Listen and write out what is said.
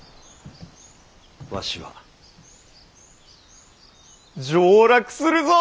わしは上洛するぞ！